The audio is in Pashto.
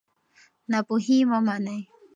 ناپوهي مه منئ.